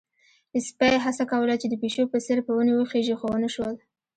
سپی هڅه کوله چې د پيشو په څېر په ونې وخيژي، خو ونه شول.